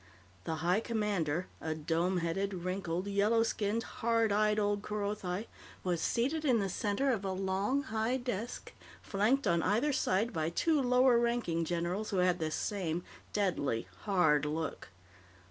The High Commander, a dome headed, wrinkled, yellow skinned, hard eyed old Kerothi, was seated in the center of a long, high desk, flanked on either side by two lower ranking generals who had the same deadly, hard look.